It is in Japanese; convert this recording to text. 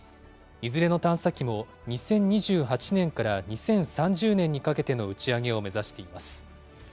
いずれの探査機も、２０２８年から２０３０年にかけての打ち上げを目指しています。